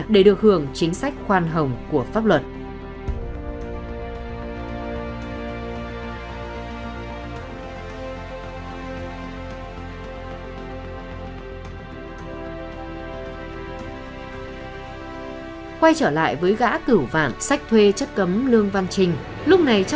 để được hưởng chính sách khoan hồng của pháp luật